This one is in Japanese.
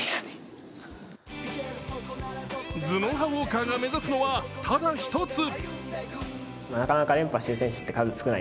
頭脳派ウオーカーが目指すのはただ一つ。